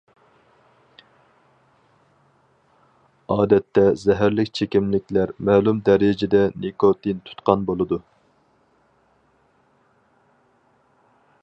ئادەتتە زەھەرلىك چېكىملىكلەر مەلۇم دەرىجىدە نىكوتىن تۇتقان بولىدۇ.